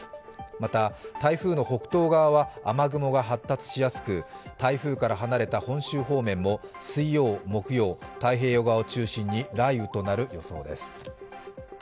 また台風の北東側は雨雲が発達しやすく台風から離れた本州方面も水曜、木曜、太平洋側を中心に雷雨となる予想です。